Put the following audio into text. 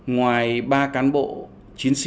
ngoài ba cán bộ chiến sĩ